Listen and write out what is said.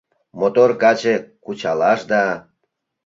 Мотор каче кучалаш да